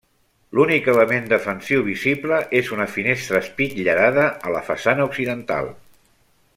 L'únic element defensiu visible és una finestra espitllerada a la façana occidental.